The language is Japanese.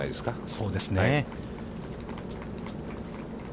そうですね。